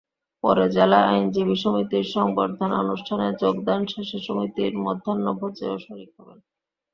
পরে জেলা আইনজীবী সমিতির সংবর্ধনা অনুষ্ঠানে যোগদান শেষে সমিতির মধ্যাহ্নভোজেও শরিক হবেন।